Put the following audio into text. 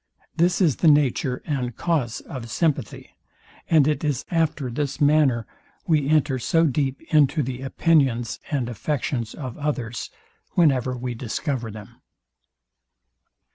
This is the nature and cause of sympathy; and it is after this manner we enter so deep into the opinions and affections of others, whenever we discover them.